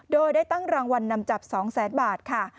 โดยได้ตั้งรางวัลนำจับ๒แสนบาทค่ะ